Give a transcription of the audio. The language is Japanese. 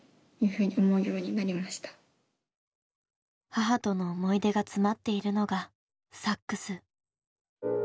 母との思い出が詰まっているのがサックス。